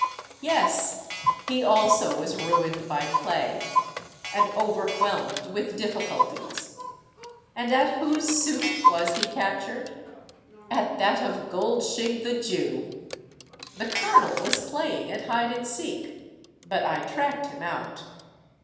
Yes: he also was ruined by play, and overwhelmed with difficulties. And at whose suit was he captured? At that of Goldshig, the Jew! The Colonel was playing at hide and seek; but I tracked him out.